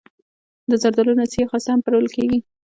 د زردالو نڅي یا خسته هم پلورل کیږي.